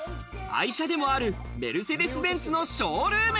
愛車でもあるメルセデス・ベンツのショールーム。